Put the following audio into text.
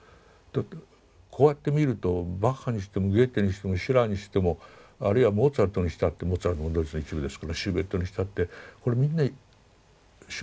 こうやって見るとバッハにしてもゲーテにしてもシラーにしてもあるいはモーツァルトにしたってモーツァルトもドイツの一部ですからシューベルトにしたってこれみんな少数派ですね。